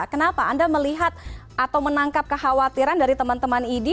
kenapa anda melihat atau menangkap kekhawatiran dari teman teman idi